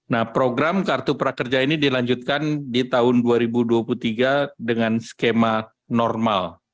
nah program kartu prakerja ini dilanjutkan di tahun dua ribu dua puluh tiga dengan skema normal